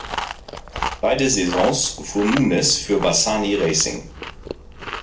Beide Saisons fuhr Nunes für Bassani Racing.